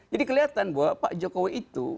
jadi kelihatan bahwa pak jokowi itu